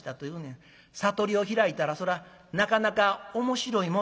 悟りを開いたらそらなかなか面白いもんや」。